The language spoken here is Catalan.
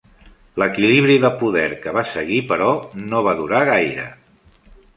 L'equilibri de poder que va seguir però, no va durar gaire.